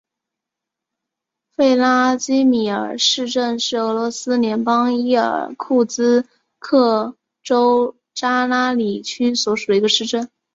弗拉基米尔市镇是俄罗斯联邦伊尔库茨克州扎拉里区所属的一个市镇。